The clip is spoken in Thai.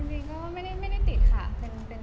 จริงก็ไม่ได้ติดค่ะเป็นนานก็ได้ค่ะ